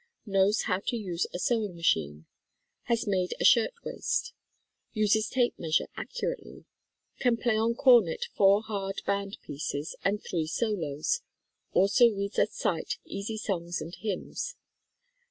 Knows how to use a sew ing machine. Has made a shirtwaist. Uses tape measure accurately. Can play on cornet four hard band pieces and three solos, also reads at sight easy songs and hymns.